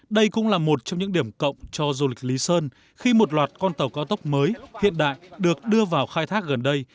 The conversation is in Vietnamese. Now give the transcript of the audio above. đây cũng là một trong những điểm cộng cho du lịch lý sơn khi một loạt con tàu cao tốc mới hiện đại được đưa vào khai thác gần đây